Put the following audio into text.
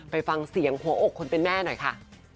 ไปฟังเสียงหัวอกคนเป็นแม่หน่อยค่ะ